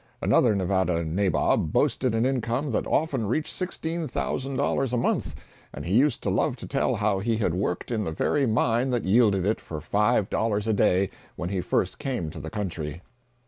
Another Nevada nabob boasted an income that often reached $16,000 a month; and he used to love to tell how he had worked in the very mine that yielded it, for five dollars a day, when he first came to the country.